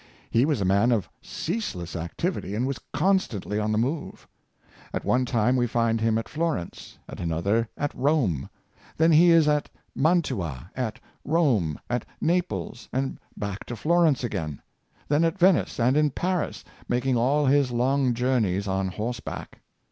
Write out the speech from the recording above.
He was a man of ceaseless ac tivity, and was constantly on the move. At one time we find him at Florence, at another at Rome; then he is at Mantua, at Rome, at Naples, and back to Flor ence again ; then at Venice, and in Paris, making all his long journeys on horseback.